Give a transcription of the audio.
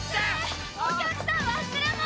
お客さん忘れ物！